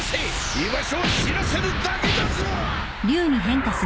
居場所を知らせるだけだぞ！